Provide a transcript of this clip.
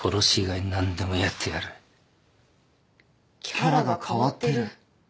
キャラが変わってる。